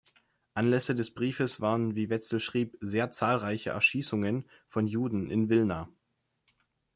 Anlässe des Briefes waren, wie Wetzel schrieb, „sehr zahlreiche Erschießungen von Juden“ in Wilna.